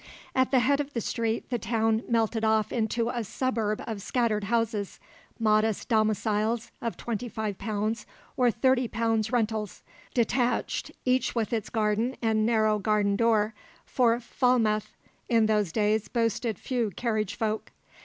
At the head of the street the town melted off into a suburb of scattered houses, modest domiciles of twenty five pounds or thirty pounds rentals, detached, each with its garden and narrow garden door, for Falmouth in those days boasted few carriage folk.